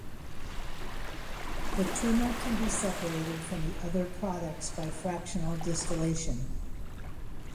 The trimer can be separated from the other products by fractional distillation.